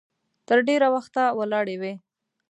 تر ډېره وخته ولاړې وي.